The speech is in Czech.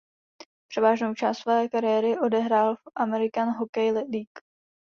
Převážnou část své kariéry odehrál v American Hockey League.